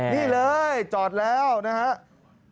นี่เลยจอดแล้วนะครับ